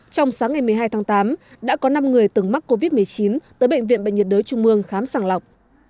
trong sáng ngày một mươi hai tháng tám đã có năm người từng mắc covid một mươi chín tới bệnh viện bệnh nhiệt đới trung mương khám sàng lọc